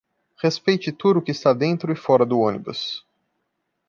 Respeite tudo o que está dentro e fora do ônibus.